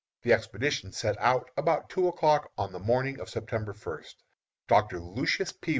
The expedition set out about two o'clock on the morning of September first. Doctor Lucius P.